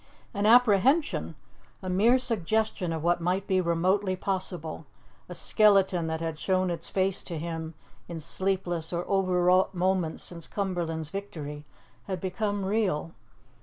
An apprehension, a mere suggestion of what might be remotely possible, a skeleton that had shown its face to him in sleepless or overwrought moments since Cumberland's victory, had become real.